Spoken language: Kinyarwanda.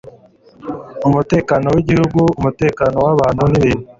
umutekano w igihugu umutekano w abantu n ibintu